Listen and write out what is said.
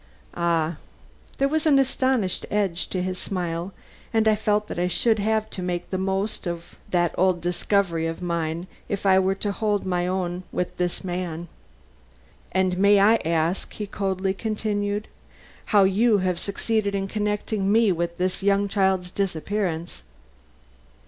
"Ah!" There was an astonishing edge to his smile and I felt that I should have to make the most of that old discovery of mine, if I were to hold my own with this man. "And may I ask," he coldly continued, "how you have succeeded in connecting me with this young child's disappearance?"